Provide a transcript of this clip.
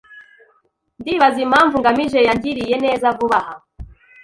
Ndibaza impamvu ngamije yangiriye neza vuba aha.